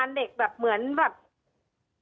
มันเป็นอาหารของพระราชา